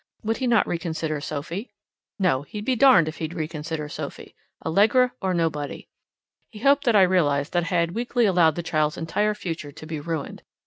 Would he not reconsider Sophie? No, he'd be darned if he'd reconsider Sophie. Allegra or nobody. He hoped that I realized that I had weakly allowed the child's entire future to be ruined.